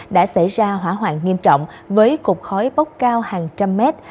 đã xảy ra hỏa hoạn nghiêm trọng với cục khói bốc cao hàng trăm mét